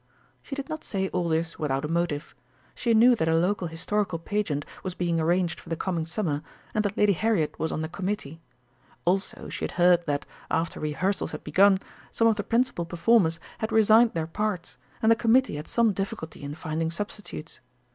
She did not say all this without a motive. She knew that a local Historical Pageant was being arranged for the coming Summer, and that Lady Harriet was on the Committee. Also she had heard that, after rehearsals had begun, some of the principal performers had resigned their parts, and the Committee had some difficulty in finding substitutes.